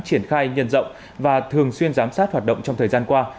triển khai nhân rộng và thường xuyên giám sát hoạt động trong thời gian qua